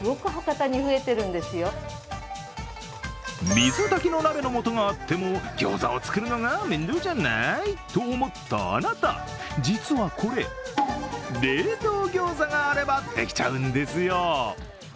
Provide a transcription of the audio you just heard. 水炊きの鍋の素があっても、ギョーザを作るのが面倒じゃないと思ったあなた、実はこれ、冷凍ギョーザがあればできちゃうんですよ。